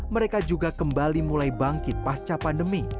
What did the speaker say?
mereka juga kembali mulai bangkit pasca pandemi